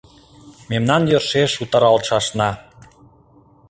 Мемнан йӧршеш утаралтшашна